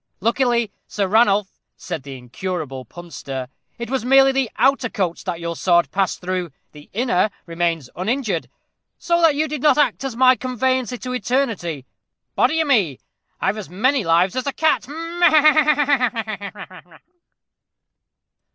"Luckily, Sir Ranulph," said the incurable punster, "it was merely the outer coats that your sword passed through; the inner remains uninjured, so that you did not act as my conveyancer to eternity. Body o' me! I've as many lives as a cat ha, ha!"